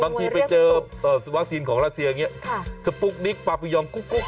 บางทีไปเจอวัคซีนของรัสเซียอย่างนี้สปุ๊กนิกปาปิยองกุ๊ก